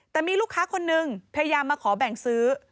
แต่มีลูกค้าคนนึงพยายามมาขอแบ่งซื้อ